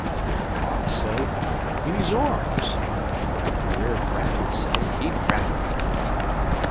Brer Fox say in his arms. Brer Rabbit say he drap 'im.